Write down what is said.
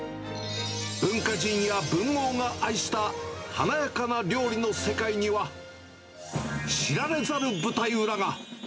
文化人や文豪が愛した華やかな料理の世界には、知られざる舞台裏が。